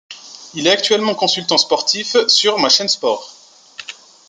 Il est actuellement consultant sportif sur Ma Chaîne Sport.